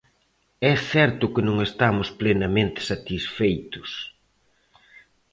É certo que non estamos plenamente satisfeitos.